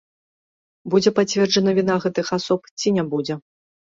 Будзе пацверджана віна гэтых асоб ці не будзе.